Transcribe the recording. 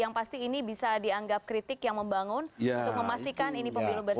yang pasti ini bisa dianggap kritik yang membangun untuk memastikan ini pemilu berjalan